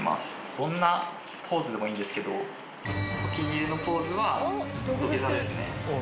どんなポーズでもいいんですけどお気に入りのポーズは土下座ですね